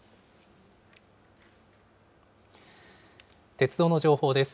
鉄道の情報です。